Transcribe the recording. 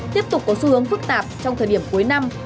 tiếp tục có xu hướng phức tạp trong thời điểm cuối năm